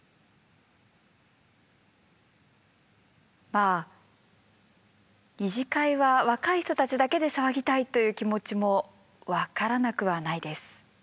まあ二次会は若い人たちだけで騒ぎたいという気持ちも分からなくはないです。